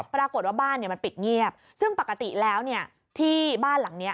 ปรากฏว่าบ้านมันปิดเงียบซึ่งปกติแล้วเนี่ยที่บ้านหลังนี้